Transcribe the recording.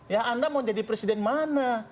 ya anda mau jadi presiden mana